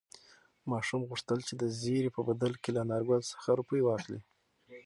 ماشوم غوښتل چې د زېري په بدل کې له انارګل څخه روپۍ واخلي.